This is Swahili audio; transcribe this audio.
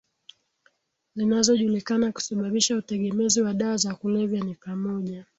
zinazojulikana kusababisha utegemezi wa dawa za kulevya ni pamoja